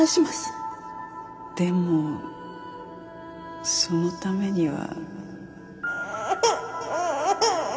でもそのためには。